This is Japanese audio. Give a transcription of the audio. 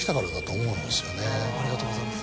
ありがとうございます。